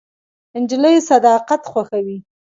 نجلۍ صداقت خوښوي.